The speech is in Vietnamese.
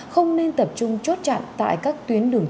không nên tập trung chốt chặn tại các tuyến đường